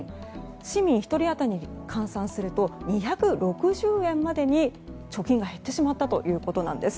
市民１人当たりに換算すると２６０円までに貯金が減ってしまったということです。